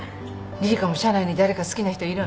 リリカも社内に誰か好きな人いるん？